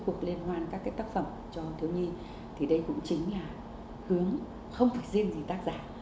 cuộc liên hoan các cái tác phẩm cho thiếu nhi thì đây cũng chính là hướng không phải riêng gì tác giả